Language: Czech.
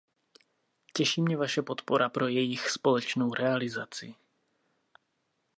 Těší mě vaše podpora pro jejich společnou realizaci.